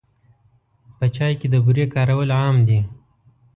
په چای کې د بوري کارول عام دي.